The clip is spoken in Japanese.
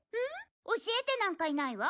教えてなんかいないわ。